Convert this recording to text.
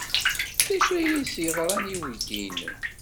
D acu ay as-yeḍran i uydi-nnem?